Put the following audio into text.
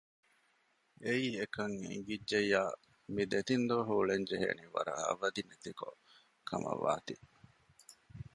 އެއީ އެކަން އެނގިއްޖެއްޔާ މި ދެތިން ދުވަހު އުޅެންޖެހޭނީ ވަރަށް އަވަދިނެތި ކޮށް ކަމަށް ވާތީ